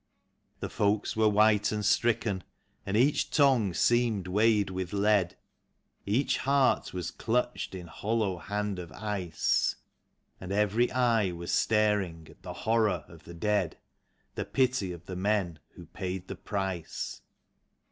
The folks were white and stricken, and each tongae seemed weighed with lead; Each heart was clutched in hollow hand of ice; And every eye was staring at the horror of the dead. The pity of the men who paid the price.